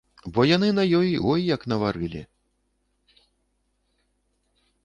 Бо яны на ёй ой як наварылі.